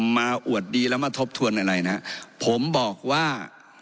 อวดดีแล้วมาทบทวนอะไรนะผมบอกว่า